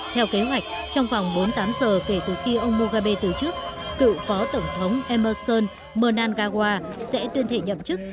theo kế hoạch trong vòng bốn mươi tám giờ kể từ khi ông moghe từ chức cựu phó tổng thống emerson mangawa sẽ tuyên thệ nhậm chức